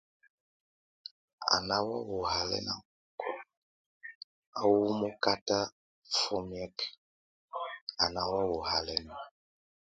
A ná wowo halɛn o mokolo a wúwu mokata fuemiek, a ná wowo halɛna.